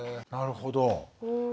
なるほど。